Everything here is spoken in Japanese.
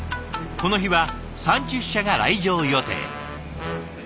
この日は３０社が来場予定。